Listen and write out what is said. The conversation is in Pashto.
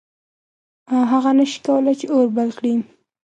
هغه نه شي کولی چې اور بل کړي.